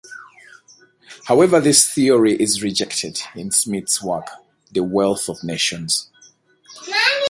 However, this theory is rejected in Smith's work "The Wealth of Nations".